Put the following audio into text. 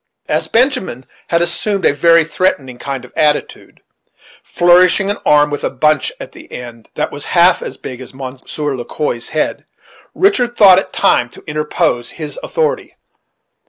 As Benjamin had assumed a very threatening kind of attitude, flourishing an arm with a bunch at the end of it that was half as big as Monsieur Le Quoi's head, Richard thought it time to interpose his authority.